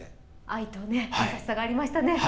愛と優しさがありましたね。